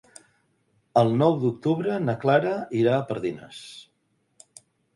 El nou d'octubre na Clara irà a Pardines.